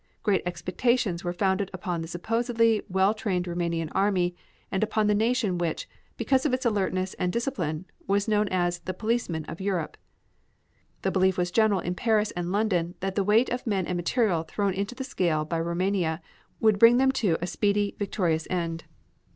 Great expectations were founded upon the supposedly well trained Roumanian army and upon the nation which, because of its alertness and discipline, was known as "the policeman of Europe." The belief was general in Paris and London that the weight of men and material thrown into the scale by Roumania would bring the to a speedy, victorious end.